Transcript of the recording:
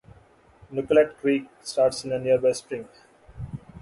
Nicollet Creek starts in a nearby spring.